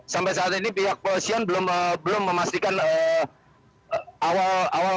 sampai saat ini pihak polisian belum memastikan awal awal